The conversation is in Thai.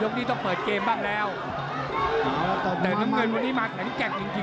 นี้ต้องเปิดเกมบ้างแล้วแต่น้ำเงินวันนี้มาแข็งแกร่งจริงจริง